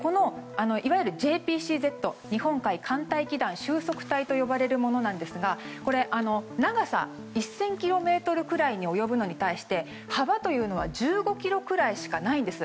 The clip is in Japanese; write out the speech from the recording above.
ＪＰＣＺ・日本海寒帯気団収束帯と呼ばれるものですが長さ１０００ｋｍくらいに及ぶのに対して幅というのは１５ｋｍぐらいしかないんです。